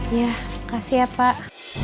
iya kasih ya pak